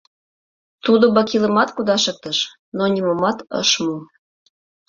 Тудо бакилымат кудашыктыш, но нимомат ыш му.